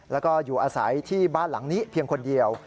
แล้วก็อยู่อาศัยที่บ้านหลังนี้เพียงคนเดียว